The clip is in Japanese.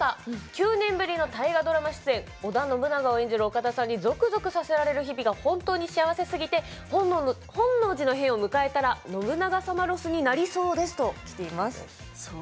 ９年ぶりの大河ドラマ出演織田信長を演じる岡田さんにぞくぞくさせられる日々が本当に幸せすぎて本能寺の変を迎えたら信長様ロスになりそうですときています。